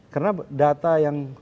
karena data yang